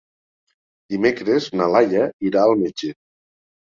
Dimecres na Laia irà al metge.